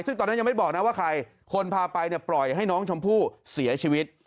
ซึ่งตอนนั้นยังไม่บอกนะว่าใครคนพาไปปล่อยให้น้องชมพู่เสียชีวิต